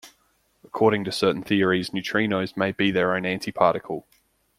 According to certain theories, neutrinos may be their own antiparticle.